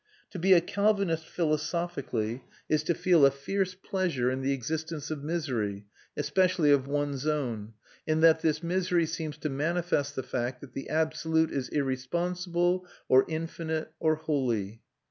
To be a Calvinist philosophically is to feel a fierce pleasure in the existence of misery, especially of one's own, in that this misery seems to manifest the fact that the Absolute is irresponsible or infinite or holy.